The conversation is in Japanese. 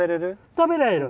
食べられる。